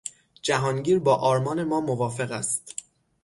جهانگیر با آرمان ما موافق است.